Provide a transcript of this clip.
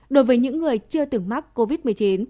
đối với những người chưa từng mắc covid một mươi chín